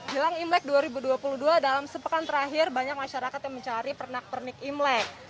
jelang imlek dua ribu dua puluh dua dalam sepekan terakhir banyak masyarakat yang mencari pernak pernik imlek